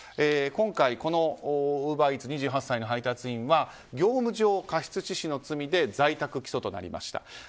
今回、ウーバーイーツ２８歳の配達員は業務上過失致死の罪で在宅起訴となりました。